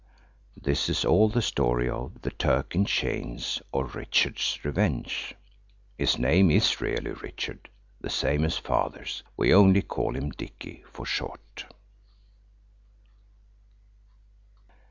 This is all the story of– THE TURK IN CHAINS; or. RICHARD'S REVENGE. (His name is really Richard, the same as Father's. We only call him Dicky for short.)